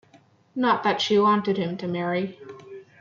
Not that she wanted him to marry.